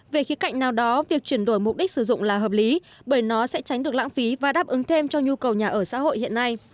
về khía cạnh nào đó việc chuyển đổi mục đích sử dụng là hợp lý bởi nó sẽ tránh được lãng phí và đáp ứng thêm cho nhu cầu nhà ở xã hội hiện nay